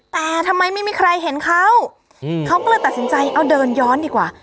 แต่ทำไมไม่มีใครเห็นเขาเขาก็เลยตัดสินใจเอาเดินย้อนดีกว่า